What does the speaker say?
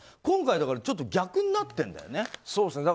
今回はちょっと逆になってるんだよね。